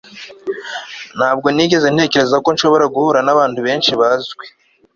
ntabwo nigeze ntekereza ko nshobora guhura nabantu benshi bazwi